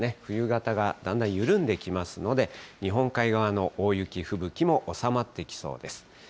冬型がだんだん緩んできますので、日本海側の大雪、吹雪も収まってきそうです。